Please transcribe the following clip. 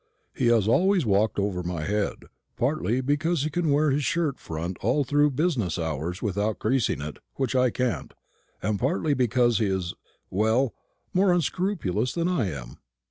He has always walked over my head; partly because he can wear his shirt front all through business hours without creasing it, which I can't, and partly because he's well more unscrupulous than I am."